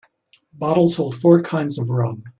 Bottles hold four kinds of rum.